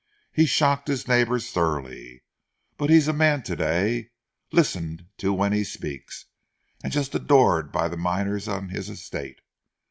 He shocked his neighbours thoroughly, but he's a man today, listened to when he speaks and just adored by the miners on his estate....